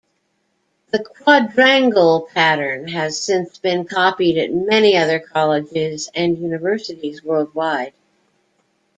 The quadrangle pattern has since been copied at many other colleges and universities worldwide.